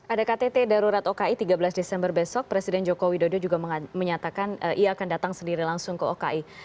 ada ktt darurat oki tiga belas desember besok presiden joko widodo juga menyatakan ia akan datang sendiri langsung ke oki